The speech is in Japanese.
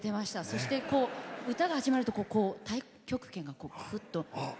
そして、歌が始まると太極拳、ぐっと。